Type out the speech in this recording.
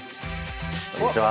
こんにちは。